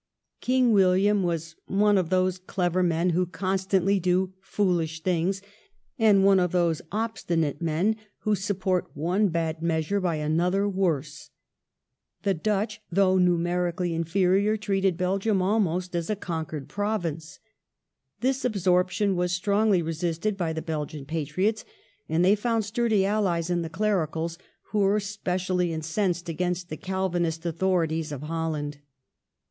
King William was " one of those clever men who constantly do foolish things, and one of those obstinate men who support one bad measure by another worse ".^ The Dutch, though numerically inferior,^ treated Belgium almost as a conquered province. This absorption was strongly resisted by the Belgian patriots, and they found sturdy allies in the Clericals, who were specially incensed against the Calvinist authorities of Holland.